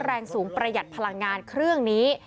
แรงสูงประหยัดพลังงานเครื่องนี้